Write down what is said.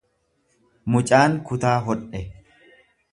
Mucaan kutaa hodhe